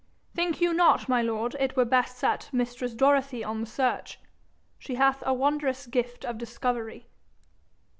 'Think you not, my lord, it were best set mistress Dorothy on the search? She hath a wondrous gift of discovery.'